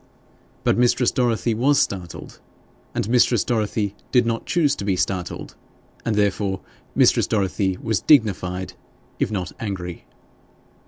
But mistress Dorothy was startled, and mistress Dorothy did not choose to be startled, and therefore mistress Dorothy was dignified, if not angry.